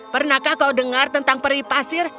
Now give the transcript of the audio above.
pernahkah kau dengar tentang peri pasir